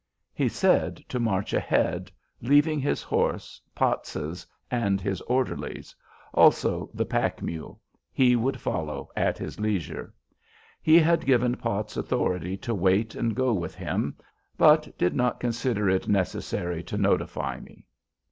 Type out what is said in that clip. "He said to march ahead, leaving his horse, Potts's, and his orderly's, also the pack mule: he would follow at his leisure. He had given Potts authority to wait and go with him, but did not consider it necessary to notify me."